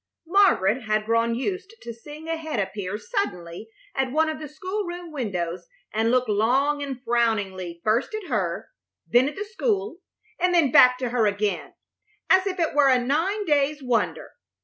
Margaret had grown used to seeing a head appear suddenly at one of the school room windows and look long and frowningly first at her, then at the school, and then back to her again, as if it were a nine days' wonder.